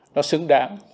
nó xứng đáng